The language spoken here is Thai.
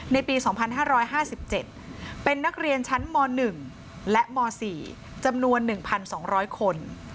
ในปี๒๕๕๗เป็นนักเรียนชั้นม๑และม๔จำนวน๑๒๐๐คน